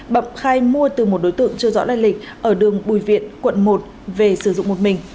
bậm khai mua từ một đối tượng chưa rõ đại lịch ở đường bùi viện quận một về sử dụng một mình